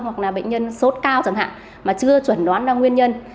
hoặc là bệnh nhân sốt cao chẳng hạn mà chưa chuẩn đoán ra nguyên nhân